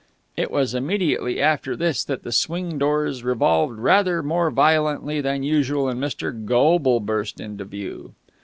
It was immediately after this that the swing doors revolved rather more violently than usual, and Mr. Goble burst into view.